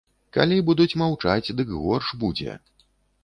Калі будуць маўчаць, дык горш будзе.